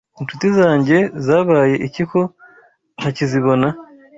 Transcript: Incuti zanjye zabaye iki ko ntakizibona